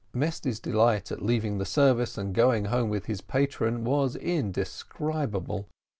Mesty's delight at leaving the service, and going home with his patron, was indescribable.